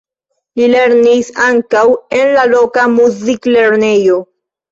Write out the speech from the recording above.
Li lernis ankaŭ en la loka muziklernejo.